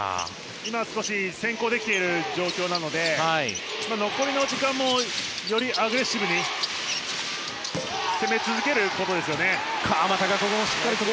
今、少し先行できている状況ですので残りの時間もよりアグレッシブに攻め続けることですね。